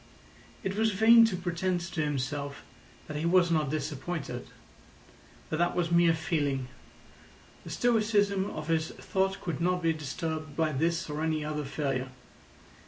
It was vain to pretend to himself that he was not disappointed. But that was mere feeling; the stoicism of his thought could not be disturbed by this or any other failure.